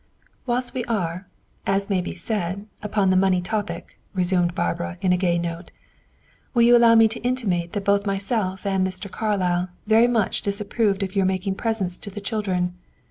"Whilst we are, as may be said, upon the money topic," resumed Barbara, in a gay tone, "will you allow me to intimate that both myself and Mr. Carlyle very much disapprove of your making presents to the children.